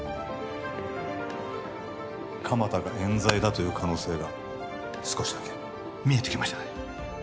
鎌田がえん罪だという可能性が少しだけ見えてきましたね。